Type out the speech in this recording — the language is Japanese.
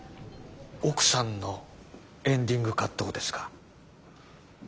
奥さんのエンディングカットをですか？